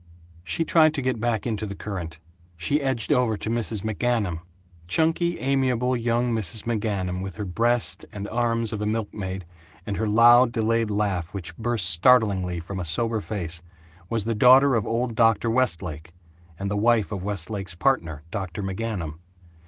She tried to get back into the current. She edged over to Mrs. McGanum. Chunky, amiable, young Mrs. McGanum with her breast and arms of a milkmaid, and her loud delayed laugh which burst startlingly from a sober face, was the daughter of old Dr. Westlake, and the wife of Westlake's partner, Dr. McGanum.